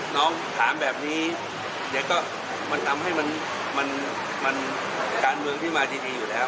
น้องถามแบบนี้เนี้ยก็มันทำให้มันมันมันการเมืองนี่มาที่ดีอยู่แล้ว